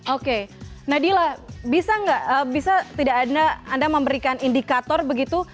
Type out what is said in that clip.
oke nadila bisa tidak anda memberikan indikator begitu